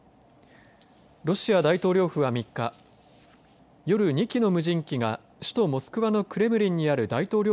ロシア大統領府は、３日夜、２機の無人機が首都モスクワのクレムリンにある大統領